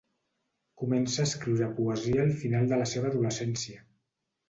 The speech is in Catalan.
Comença a escriure poesia al final de la seva adolescència.